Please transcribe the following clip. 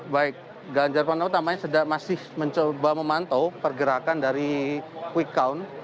baik ganjar pranowo tampaknya masih mencoba memantau pergerakan dari quick count